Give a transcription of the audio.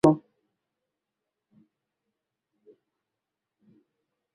Bwana Hafidh Ameir ambaye wakati huo alikuwa afisa wa Kilimo